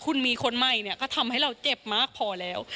คุณมีคนใหม่เนี่ยก็ทำให้เราเจ็บมากพอแล้ว